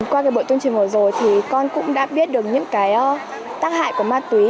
qua cái buổi tuyên truyền vừa rồi thì con cũng đã biết được những cái tác hại của ma túy